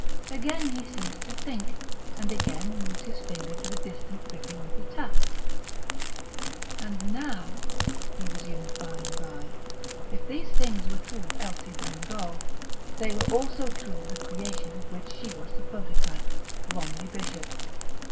Again he ceased to think, and again moved his finger to the distant dripping of the tap.... And now (he resumed by and by), if these things were true of Elsie Bengough, they were also true of the creation of which she was the prototype Romilly Bishop.